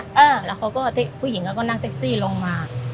ผมเขาพูดว่าผู้หญิงก็นั่งเต็กซี่ลงมา